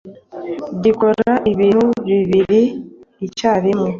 gikora ibintu bibiri icyarimwe